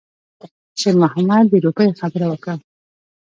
شېرمحمد د روپیو خبره وکړه.